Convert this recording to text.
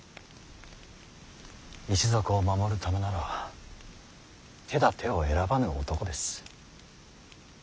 一族を守るためなら手だてを選ばぬ男です。